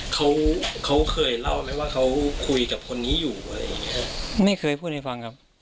เขาเขาเคยเล่าไหมว่าเขาคุยกับคนนี้อยู่อะไรอย่างเงี้ยไม่เคยพูดให้ฟังครับ